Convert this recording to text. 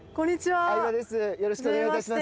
相葉です、よろしくお願いいたします。